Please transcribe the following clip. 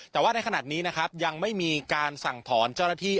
แต่ว่าในขณะนี้นะครับยังไม่มีการสั่งถอนเจ้าหน้าที่